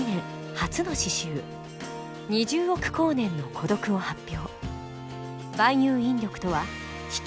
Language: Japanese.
初の詩集「二十億光年の孤独」を発表。